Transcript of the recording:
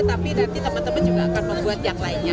tapi nanti teman teman juga akan membuat yang lainnya